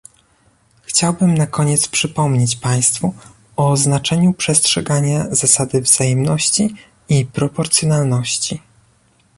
Chciałbym na koniec przypomnieć państwu o znaczeniu przestrzegania zasady wzajemności i proporcjonalności